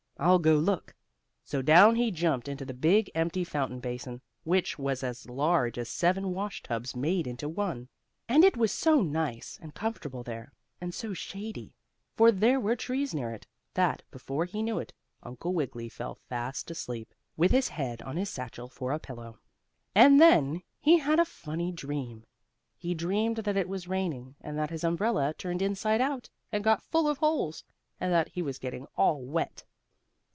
I'll go look." So down he jumped into the big empty fountain basin, which was as large as seven wash tubs made into one. And it was so nice and comfortable there, and so shady, for there were trees near it, that, before he knew it, Uncle Wiggily fell fast asleep, with his head on his satchel for a pillow. And then he had a funny dream. He dreamed that it was raining, and that his umbrella turned inside out, and got full of holes, and that he was getting all wet.